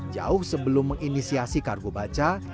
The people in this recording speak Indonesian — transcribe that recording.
jauh sebelum menginisiasi kargo baca